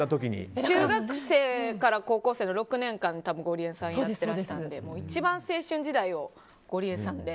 中学生から高校生の６年間、ゴリエさんやってらしたので一番青春時代をゴリエさんで。